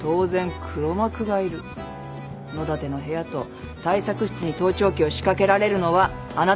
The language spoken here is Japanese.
野立の部屋と対策室に盗聴器を仕掛けられるのはあなたしかいない。